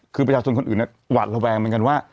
คือประชาชนคนอื่นหวาดระแวงเหมือนกันว่า